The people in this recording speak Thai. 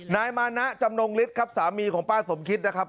นายมานะจำนงฤทธิ์ครับสามีของป้าสมคิดนะครับ